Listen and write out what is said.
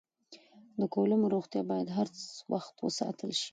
د کولمو روغتیا باید هر وخت وساتل شي.